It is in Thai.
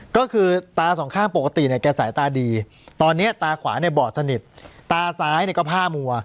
ก็คือตาสองข้างปกติเนี่ยแกสายตาดีตอนนี้ตาขวาเนี่ยบอดสนิทตาซ้ายเนี่ยก็ผ้ามัว